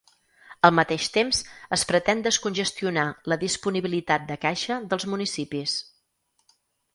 Al mateix temps, es pretén descongestionar la disponibilitat de caixa dels municipis.